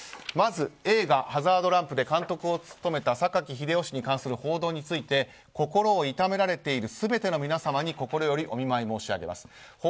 まず映画「ハザードランプ」で監督を務めた榊英雄氏に関する報道について心を痛められている全ての皆様に心よりお見舞い申し上げます。